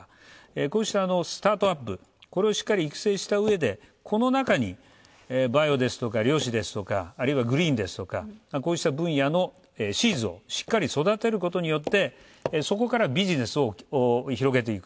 こうしたスタートアップ、これをしっかり育成したうえでこの中にバイオですとか、量子ですとかあるいはグリーンですとか、こうした分野のシーズをしっかり育てることによって、そこからビジネスを広げていく。